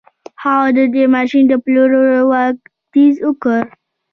هغه د دې ماشين د پلورلو وړانديز وکړ.